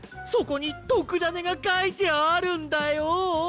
そこにとくダネがかいてあるんだよ！